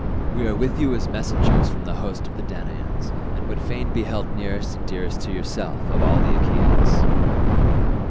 We are with you as messengers from the host of the Danaans, and would fain be held nearest and dearest to yourself of all the Achaeans."